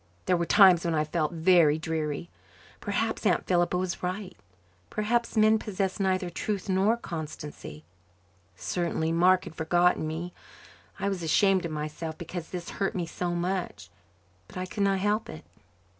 There were times when I felt very dreary. Perhaps Aunt Philippa was right. Perhaps men possessed neither truth nor constancy. Certainly Mark had forgotten me. I was ashamed of myself because this hurt me so much, but I could not help it.